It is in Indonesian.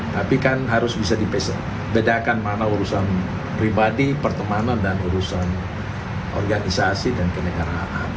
tapi kan harus bisa dibedakan mana urusan pribadi pertemanan dan urusan organisasi dan kenegaraan